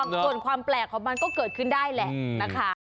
ส่วนความแปลกของมันก็เกิดขึ้นได้แหละนะคะ